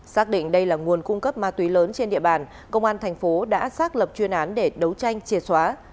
xác định đây là nguồn cung cấp ma túy lớn trên địa bàn công an thành phố đã xác lập chuyên án để đấu tranh triệt xóa